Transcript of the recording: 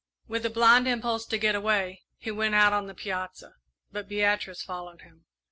With a blind impulse to get away, he went out on the piazza, but Beatrice followed him.